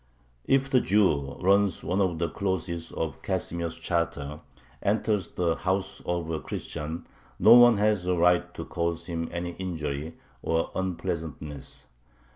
"If the Jew," runs one of the clauses of Casimir's charter, "enters the house of a Christian, no one has a right to cause him any injury or unpleasantness.